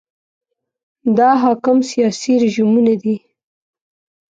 دا حاکم سیاسي رژیمونه دي.